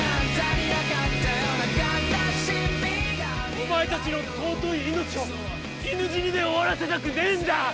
お前たちの尊い命を犬死にで終わらせたくねぇんだ！